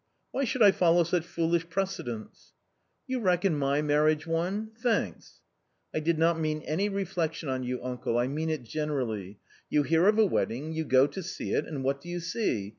Why should I follow such foolish precedents ?"" You reckon my marriage one ? Thanks !"" I did not mean any reflection on you, uncle, I mean it generally. You hear of a wedding ; you go to see it and what do you see?